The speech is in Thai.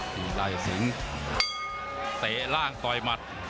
ไล่สิงเตะร่างต่อยมัด